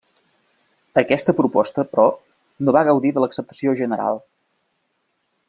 Aquesta proposta, però, no va gaudir de l'acceptació general.